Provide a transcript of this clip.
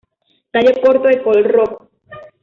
Tallo corto de color rojo.